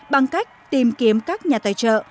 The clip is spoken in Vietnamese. bằng cách tìm kiếm các nhà tài trợ